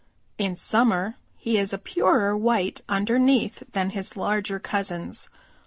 In summer he is a purer white underneath than his larger cousins.